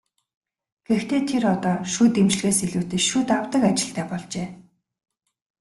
Гэхдээ тэр одоо шүд эмчлэхээс илүүтэй шүд авдаг ажилтай болжээ.